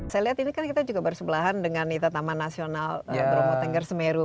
saya lihat ini kan kita juga bersebelahan dengan taman nasional bromo tengger semeru